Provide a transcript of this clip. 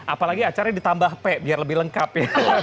apalagi acarnya ditambah p biar lebih lengkap ya